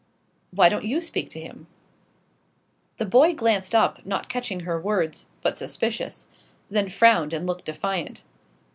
"Why don't you speak to him?" The boy glanced up, not catching her words, but suspicious: then frowned and looked defiant.